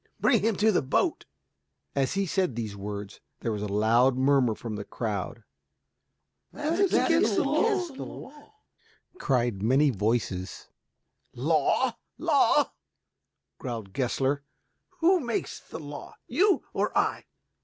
Bring him to the boat." As he said these words, there was a loud murmur from the crowd. "That is against the law," cried many voices. "Law, law?" growled Gessler. "Who makes the law, you or I?"